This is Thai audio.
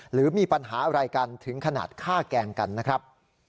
หรือมีปัญหาอะไรกันถึงขนาดฆ่าแกล้งกันนะครับ